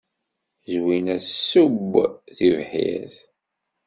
Zwina tessew tibḥirt.